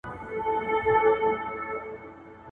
• اوښ په غلبېل نه درنېږي.